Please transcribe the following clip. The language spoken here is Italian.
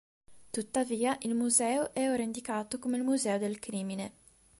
Tuttavia il museo è ora indicato come il "Museo del Crimine".